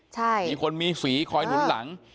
ใช่มีคนมีสีคอยหนุนหลัง